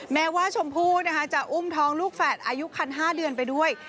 แม้ว่าชมพู่จะอุ้มท้องลูกแฝดอายุคัน๕เดือนไปด้วย